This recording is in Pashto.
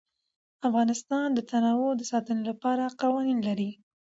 افغانستان د تنوع د ساتنې لپاره قوانین لري.